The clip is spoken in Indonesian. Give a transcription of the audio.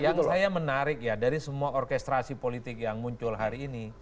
yang saya menarik ya dari semua orkestrasi politik yang muncul hari ini